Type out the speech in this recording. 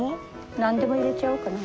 何でも入れちゃおうかな。